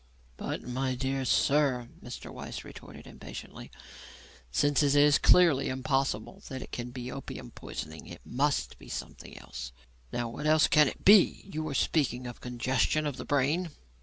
"But, my dear sir," Mr. Weiss retorted impatiently, "since it is clearly impossible that it can be opium poisoning, it must be something else. Now, what else can it be? You were speaking of congestion of the brain."